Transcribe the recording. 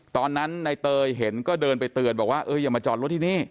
ตอนนั้นในเตยเห็นก็เดินไปเตือนบอกว่าเอออย่ามาจอดรถที่นี่